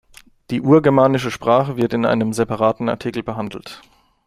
Die urgermanische Sprache wird in einem separaten Artikel behandelt.